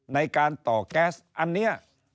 ในการต่อแก๊สอันนี้